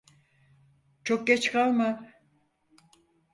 Çok geç kalma.